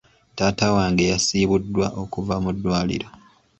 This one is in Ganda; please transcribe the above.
Taata wange yasiibuddwa okuva mu ddwaliro .